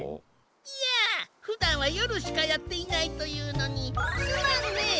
いやふだんはよるしかやっていないというのにすまんね。